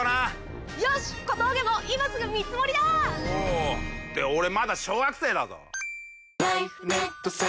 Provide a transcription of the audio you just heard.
って俺まだ小学生だぞ！